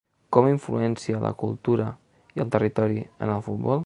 Com influència la cultura i el territori en el futbol.